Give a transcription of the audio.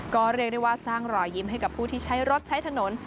ก็เรียกได้ว่าสร้างรอยยิ้มให้กับผู้ที่ใช้รถใช้ถนน